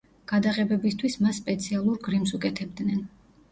გადაღებებისთვის მას სპეციალურ გრიმს უკეთებდნენ.